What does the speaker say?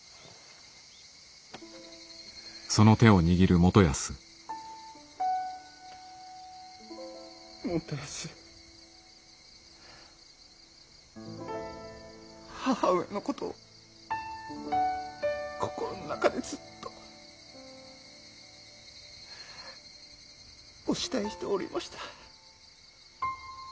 元康母上のことを心の中でずっとお慕いしておりました。